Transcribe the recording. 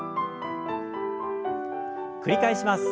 繰り返します。